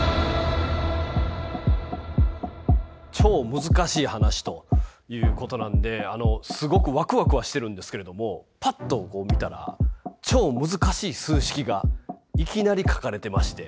超むずかしい話ということなんですごくワクワクはしてるんですけれどもパッと見たらいきなり書かれてまして。